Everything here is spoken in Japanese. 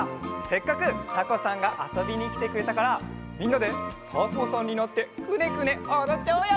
せっかくタコさんがあそびにきてくれたからみんなでタコさんになってクネクネおどっちゃおうよ！